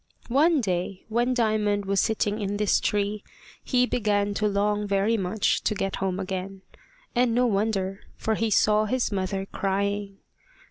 One day when Diamond was sitting in this tree, he began to long very much to get home again, and no wonder, for he saw his mother crying.